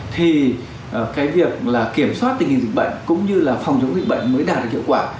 thì cái việc kiểm soát tình hình dịch bệnh cũng như là phòng chống dịch bệnh mới đạt được hiệu quả